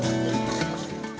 pembuatan penting dikenyapkan